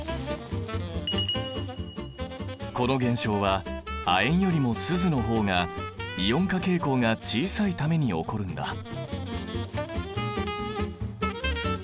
この現象は亜鉛よりもスズの方がイオン化傾向が小さいために起こるんだ。